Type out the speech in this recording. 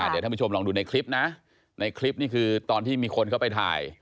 เดี๋ยวท่านผู้ชมลองดูในคลิปนะในคลิปนี่คือตอนที่มีคนเข้าไปถ่าย